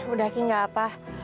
udah ki gak apa